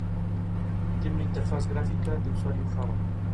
Tiene una interfaz gráfica de usuario Java.